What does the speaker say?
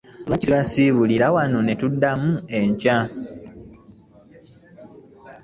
Lwaki ssibasiibulira wano ne tuddamu enkya?